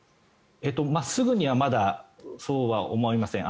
すぐにはまだそうは思いません。